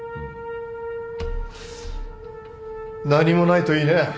何もないといいねぇ。